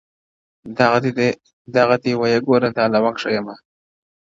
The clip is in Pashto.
دغه دی ويې گوره دا لونگ ښه يمه _